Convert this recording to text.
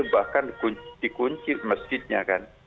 bahkan dikunci masjidnya kan